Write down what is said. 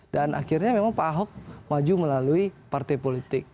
dan akhirnya memang pak ahok maju melalui partai politik